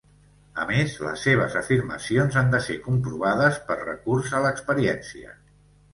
A més les seves afirmacions han de ser comprovades per recurs a l'experiència.